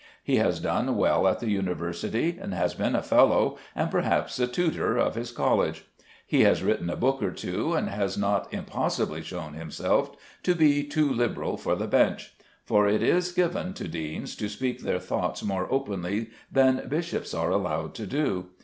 He has done well at the university, and has been a fellow, and perhaps a tutor, of his college. He has written a book or two, and has not impossibly shown himself to be too liberal for the bench; for it is given to deans to speak their thoughts more openly than bishops are allowed to do.